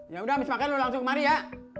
ya udah habis makan lu langsung kemari ya